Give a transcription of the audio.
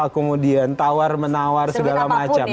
kemudian tawar menawar segala macam